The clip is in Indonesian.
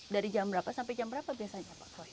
dari jam berapa sampai jam berapa biasanya pak